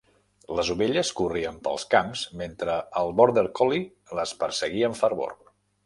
Les ovelles corrien pels camps mentre el border collie les perseguia amb fervor.